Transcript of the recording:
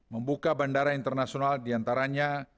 membuka bandara internasional diantaranya